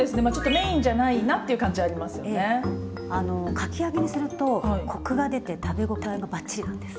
かき揚げにするとコクが出て食べ応えがバッチリなんです。